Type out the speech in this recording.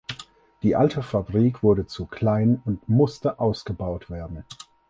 Die alte Fabrik wurde zu klein und musste ausgebaut werden.